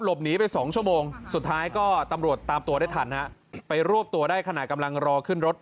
หนีไปสองชั่วโมงสุดท้ายก็ตำรวจตามตัวได้ทันฮะไปรวบตัวได้ขณะกำลังรอขึ้นรถ